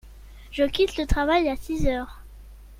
Je quitte le travail à six heures.